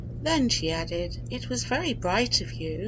Then she added: "It was very bright of you.